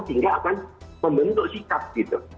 sehingga akan membentuk sikap gitu